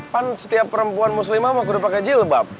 kan setiap perempuan muslimah mah udah pakai jilbab